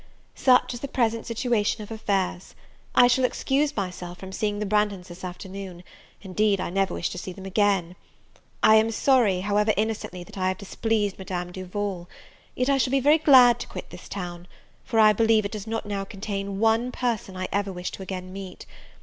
Such is the present situation of affairs. I shall excuse myself from seeing the Branghtons this afternoon: indeed, I never wish to see them again. I am sorry, however innocently, that I have displeased Madame Duval; yet I shall be very glad to quit this town, for I believe it does not now contain one person I ever wish to again meet.